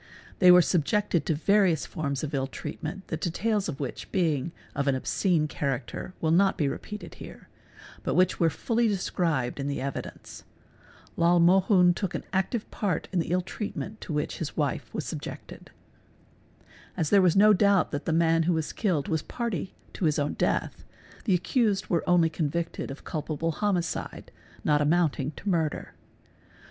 They were subjected to various forms of ill treatment, the details of which being of an obscene character are not repeated here, but which were fully described in the evidence. al Mohun took an active part in the ill treatment to which his wife was subjected. | As there was no doubt that the man who was killed was party to his own death the accused were only convicted of culpable homicide not amounting to murder.